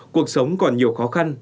cuộc sống còn nhiều khó khăn